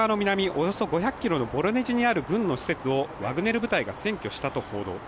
およそ５００ｋｍにあるボロネジにある軍の施設をワグネル部隊が占拠したと報道。